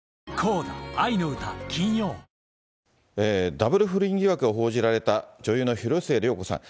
ダブル不倫疑惑が報じられた女優の広末涼子さん。